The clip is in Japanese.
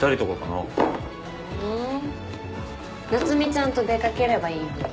夏海ちゃんと出掛ければいいのに。